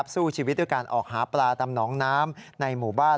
สู้ชีวิตด้วยการออกหาปลาตามหนองน้ำในหมู่บ้าน